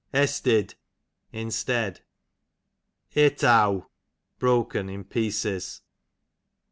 EstiJ, instead. Eteaw, broken; in pieces.